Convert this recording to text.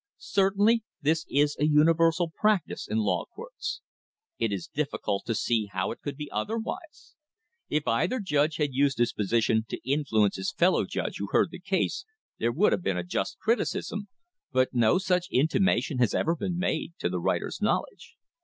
Certainly this is a universal practice in law courts. It is difficult to see how it could be otherwise. If either judge had used his posi tion to influence his fellow judge who heard the case there would be a just criticism, but no such intimation has ever been made, to the writer's knowledge.